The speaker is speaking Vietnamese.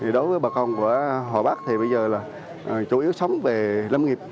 đối với bà con của hòa bắc thì bây giờ là chủ yếu sống về lâm nghiệp